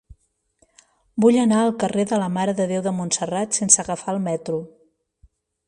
Vull anar al carrer de la Mare de Déu de Montserrat sense agafar el metro.